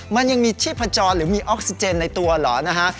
มันยังมีชีพจรหรือมีออกซิเจนในตัวเหรอนะฮะ